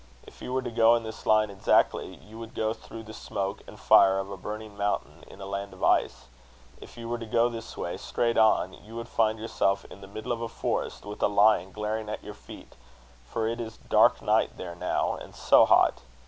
If you were to go in this line exactly, you would go through the smoke and fire of a burning mountain in a land of ice. If you were to go this way, straight on, you would find yourself in the middle of a forest with a lion glaring at your feet, for it is dark night there now, and so hot!